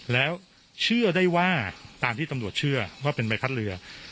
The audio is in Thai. แล้วเชื่อได้ว่าตามที่ตำรวจเชื่อว่าเป็นใบพัดเรือ